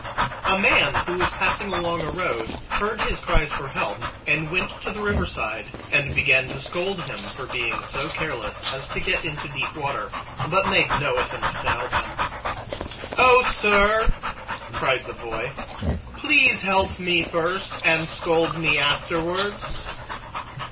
A man who was passing along a road heard his cries for help, and went to the riverside and began to scold him for being so careless as to get into deep water, but made no attempt to help him. "Oh, sir," cried the Boy, "please help me first and scold me afterwards."